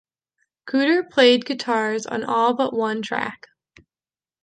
Cooder played guitars on all but one track.